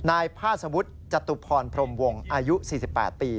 นายพาสวุฒิจตุพรพรมวงอายุ๔๘ปี